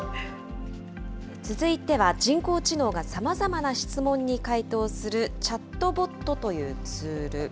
続いては、人工知能がさまざまな質問に回答するチャットボットというツール。